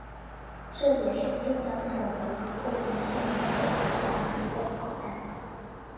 这也是浙江省唯一位于县级的国家一类口岸。